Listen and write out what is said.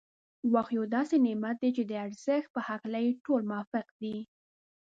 وخت یو داسې نعمت دی چي د ارزښت په هکله يې ټول موافق دی.